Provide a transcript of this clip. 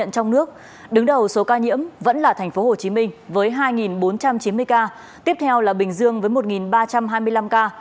từ đầu số ca nhiễm vẫn là tp hcm với hai bốn trăm chín mươi ca tiếp theo là bình dương với một ba trăm hai mươi năm ca